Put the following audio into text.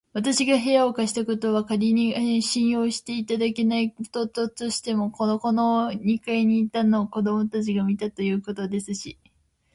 わたしが部屋を貸したことは、かりに信用していただけないとしても、ここの二階にいたのを子どもたちが見たということですし、